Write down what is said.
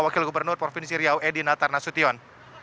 wakil gubernur provinsi riau edi natar nasution